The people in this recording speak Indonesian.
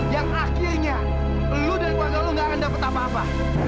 yang akhirnya lu dan keluarga lu gak akan dapat apa apa